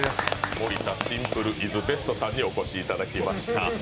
盛田シンプルイズベストさんにお越しいただきました。